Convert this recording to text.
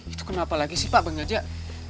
itu kenapa lagi sih pak bang ajak